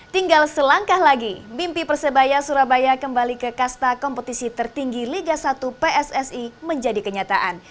tinggal selangkah lagi mimpi persebaya surabaya kembali ke kasta kompetisi tertinggi liga satu pssi menjadi kenyataan